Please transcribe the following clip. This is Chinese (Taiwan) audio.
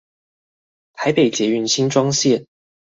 台北捷運新莊線